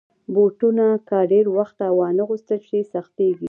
بوټونه که ډېر وخته وانهغوستل شي، سختېږي.